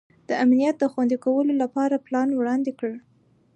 د امنیت د خوندي کولو لپاره پلان وړاندي کړ.